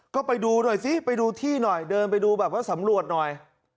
ก็ไปดูหน่อยซิไปดูที่หน่อยเดินไปดูแบบว่าสำรวจหน่อย